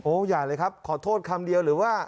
อย่าเลยครับขอโทษคำเดียวหรือว่า